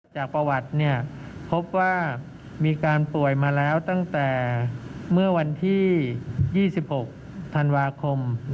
จากประวัติพบว่ามีการป่วยมาแล้วตั้งแต่เมื่อวันที่๒๖ธันวาคม